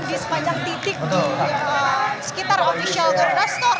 di sepanjang titik di sekitar official corona store